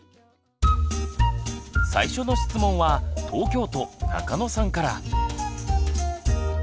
最初の質問は東京都中野さんから。